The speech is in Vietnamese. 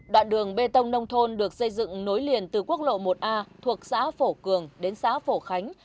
đoạn đường bê tông nông thôn được xây dựng nối liền từ quốc lộ một a thuộc xã phổ cường đến xã phổ khánh